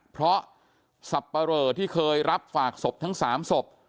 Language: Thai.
เพราะสับปะเรอที่เคยรับฝากศพทั้ง๓ศพ